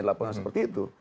tidak pernah seperti itu